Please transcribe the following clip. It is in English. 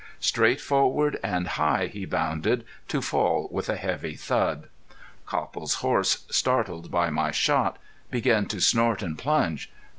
Straight forward and high he bounded, to fall with a heavy thud. Copple's horse, startled by my shot, began to snort and plunge.